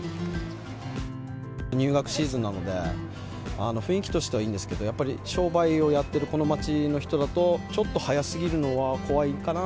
入学シーズンなので、雰囲気としてはいいんですけど、やっぱり商売をやってるこの街の人だと、ちょっと早すぎるのは怖いかな。